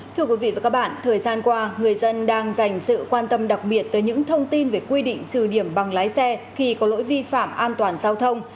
thưa quý vị và các bạn thời gian qua người dân đang dành sự quan tâm đặc biệt tới những thông tin về quy định trừ điểm bằng lái xe khi có lỗi vi phạm an toàn giao thông